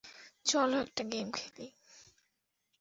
চলো একটা গেম খেলি।